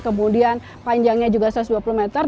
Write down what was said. kemudian panjangnya juga satu ratus dua puluh meter